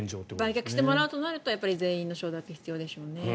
売却してもらうとなると全員の承諾が必要でしょうね。